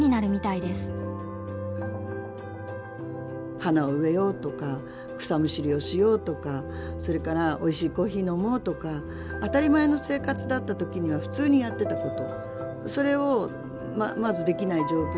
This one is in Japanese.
花を植えようとか草むしりをしようとかそれからおいしいコーヒー飲もうとか当たり前の生活だった時には普通にやってたこと。